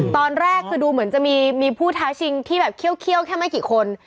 ตอนแรกคือดูเหมือนจะมีผู้ท้าชิงที่แบบเคี่ยวแค่ไม่กี่คน